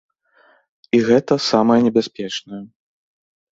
І гэта самае небяспечнае.